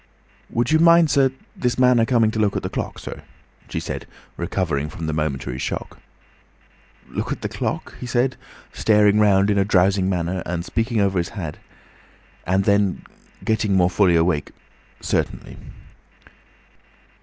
"Would you mind, sir, this man a coming to look at the clock, sir?" she said, recovering from the momentary shock. "Look at the clock?" he said, staring round in a drowsy manner, and speaking over his hand, and then, getting more fully awake, "certainly."